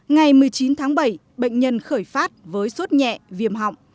ngày một mươi chín tháng bảy bệnh nhân khởi phát với suốt nhẹ viêm họng